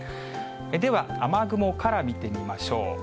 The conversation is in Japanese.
では雨雲から見てみましょう。